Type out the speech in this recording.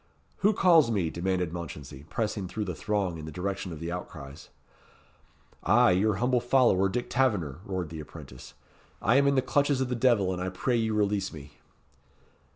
"Who calls me?" demanded Mounchensey, pressing through the throng in the direction of the outcries. "I, your humble follower, Dick Taverner," roared the apprentice; "I am in the clutches of the devil, and I pray you release me."